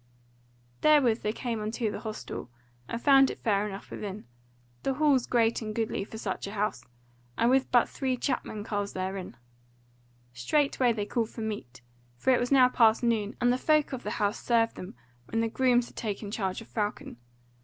Therewithal they came unto the hostel, and found it fair enough within, the hall great and goodly for such a house, and with but three chapmen carles therein. Straightway they called for meat, for it was now past noon, and the folk of the house served them when the grooms had taken charge of Falcon.